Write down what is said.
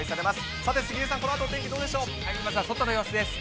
さて杉江さん、このあと、お天気まずは外の様子です。